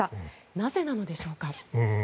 なぜなのでしょうか。